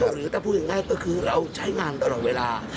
หรือถ้าพูดง่ายก็คือเราใช้งานตลอดเวลา